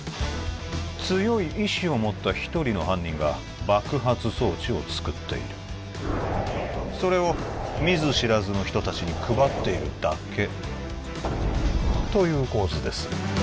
強い意志を持った一人の犯人が爆発装置を作っているそれを見ず知らずの人達に配っているだけという構図です